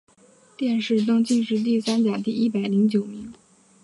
殿试登进士第三甲第一百零九名。